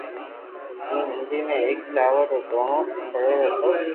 تو ھنڌي ۾ ايڪ چاور رو دوڻو پڙيو تو